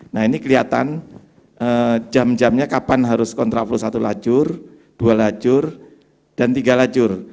nah ini kelihatan jam jamnya kapan harus kontraflow satu lajur dua lajur dan tiga lajur